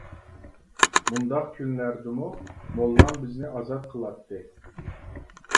مۇنداق كۈنلەردىمۇ موللام بىزنى ئازاد قىلاتتى.